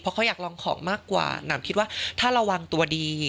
เพราะเขาอยากลองของมากกว่าหนำคิดว่าถ้าระวังตัวดี